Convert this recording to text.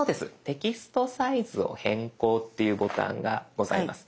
「テキストサイズを変更」っていうボタンがございます。